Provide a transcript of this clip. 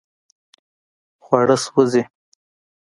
خواړه سوځي